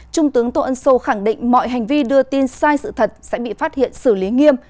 trung tướng tô ân sô khẳng định mọi hành vi đưa tin sai sự thật sẽ bị phát hiện xử lý nghiêm